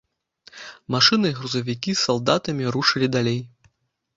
Машыны і грузавікі з салдатамі рушылі далей.